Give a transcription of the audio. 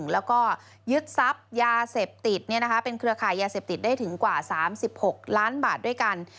แล้วก็ยึดทรัพย์ยาเสพติดเป็นเครือขายยาเสพติดได้ถึงกว่า๓๖ล้านบาทด้วยกัน